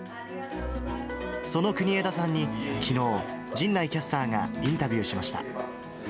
その国枝さんにきのう、陣内キャスターがインタビューしました。